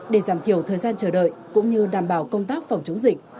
để giảm thiểu thời gian chờ đợi cũng như đảm bảo công tác phòng chống dịch